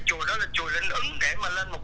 chùa linh ứng nó nằm nó thuộc